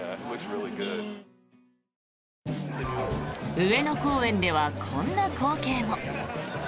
上野公園では、こんな光景も。